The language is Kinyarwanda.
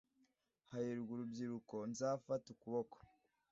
Hahirwa urubyiruko nzafata ukuboko